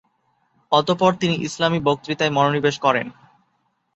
অতপর তিনি ইসলামি বক্তৃতায় মনোনিবেশ করেন।